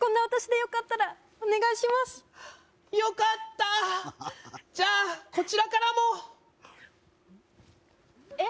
よかったじゃあこちらからもえっ？